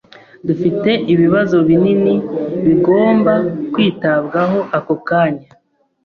Dufite ibibazo binini bigomba kwitabwaho ako kanya.